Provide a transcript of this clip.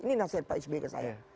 ini nasihat pak sby ke saya